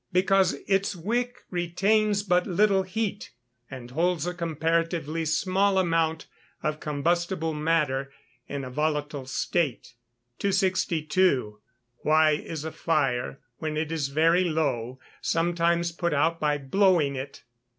_ Because its wick retains but little heat, and holds a comparatively small amount of combustible matter in a volatile state. 262. _Why is a fire, when it is very low, sometimes put out by blowing it?